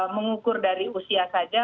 mengukur dari usia saja